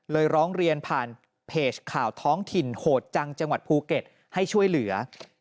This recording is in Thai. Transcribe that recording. ร้องเรียนผ่านเพจข่าวท้องถิ่นโหดจังจังหวัดภูเก็ตให้ช่วยเหลือ